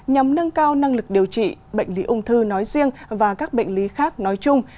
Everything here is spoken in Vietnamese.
nhằm nâng cao năng lực điều trị bệnh lý ung thư nói riêng và các bệnh lý khác nói chung